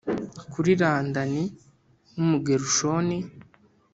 kuri Ladani w Umugerushoni